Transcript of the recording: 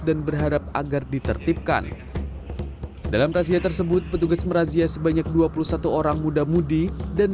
dan berharap agar ditertipkan dalam razia tersebut petugas merazia sebanyak dua puluh satu orang muda mudi dan